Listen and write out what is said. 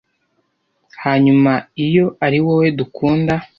hanyuma iyo ariwowe dukunda